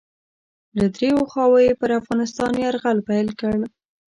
له دریو خواوو یې پر افغانستان یرغل پیل کړ.